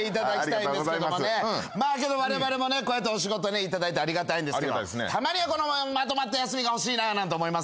まあけどわれわれもねこうやってお仕事ね頂いてありがたいんですけれどたまにはまとまった休みが欲しいななんて思いますよね。